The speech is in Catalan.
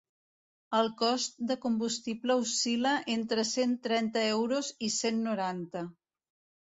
El cost de combustible oscil·la entre cent trenta euros i cent noranta.